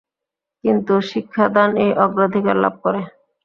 কিন্তু শিক্ষাদানই অগ্রাধিকার লাভ করে।